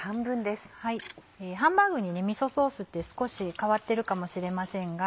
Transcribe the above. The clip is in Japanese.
ハンバーグにみそソースって少し変わってるかもしれませんが。